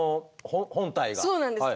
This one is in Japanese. そうなんです。